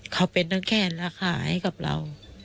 เขาเป็นทั้งแข้นราคาให้กับเรา